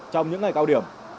trong những ngày cao điểm